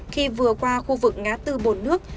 khi vừa qua khu vực ngã tư bồn nước